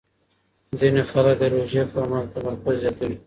ځینې خلک د روژې پر مهال تمرکز زیاتوي.